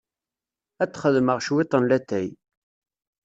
Ad d-xedmeɣ cwiṭ n latay.